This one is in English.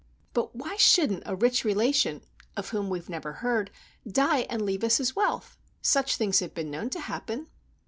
But why shouldn't a rich relation, of whom we've never heard, die and leave us his wealth? Such things have been known to happen."